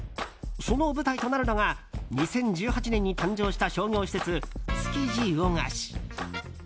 その舞台となるのが２０１８年に誕生した商業施設、築地魚河岸。